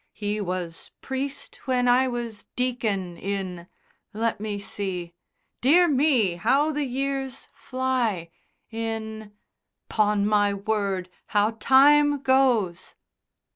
He was priest when I was deacon in let me see dear me, how the years fly in 'pon my word, how time goes!"